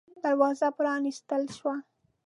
دروازه پرانستل شوه.